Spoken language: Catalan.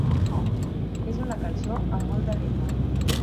És una cançó amb molt de ritme.